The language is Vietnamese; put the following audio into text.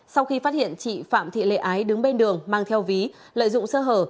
sau khi phát hiện chị phạm thị lệ ái đứng bên đường mang theo ví lợi dụng sơ hở